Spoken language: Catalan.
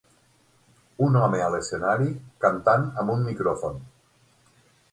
un home a l'escenari cantant amb un micròfon.